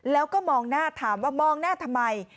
แล้วก็มองหน้าถามว่ามองหน้าทำไม